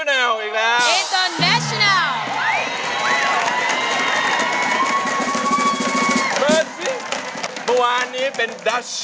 เมื่อวานนี้เป็นดัช